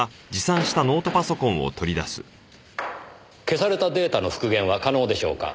消されたデータの復元は可能でしょうか？